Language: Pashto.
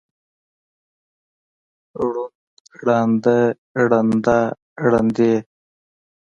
ړوند، ړانده، ړنده، ړندې.